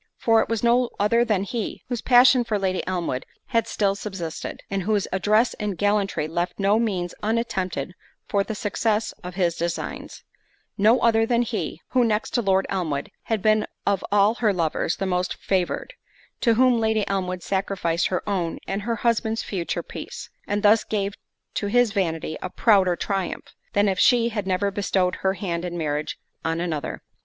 For it was no other than he, whose passion for Lady Elmwood had still subsisted, and whose address in gallantry left no means unattempted for the success of his designs;—no other than he, (who, next to Lord Elmwood, had been of all her lovers, the most favoured,) to whom Lady Elmwood sacrificed her own and her husband's future peace, and thus gave to his vanity a prouder triumph, than if she had never bestowed her hand in marriage on another.